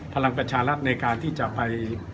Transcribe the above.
พลังประชารัฐในการที่จะไป